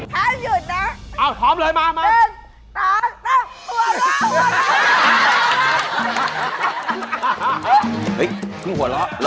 ห้ามหยุดนะ